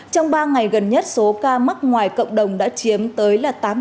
trong ba ngày gần nhất số ca mắc ngoài cộng đồng đã chiếm tới tám mươi sáu tám